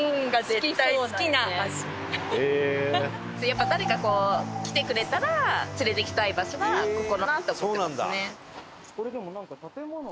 やっぱ誰かこう来てくれたら連れてきたい場所はここだなって思ってますね。